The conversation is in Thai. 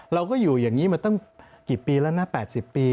เราก็อยู่อย่างนี้มาตั้งกี่ปีแล้วนะ๘๐ปี